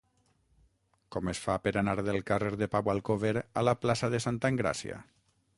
Com es fa per anar del carrer de Pau Alcover a la plaça de Santa Engràcia?